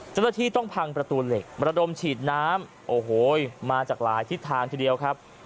เจ้าหน้าที่ต้องพังประตูเหล็กมาระดมฉีดน้ำโอ้โหมาจากหลายทิศทางทีเดียวครับ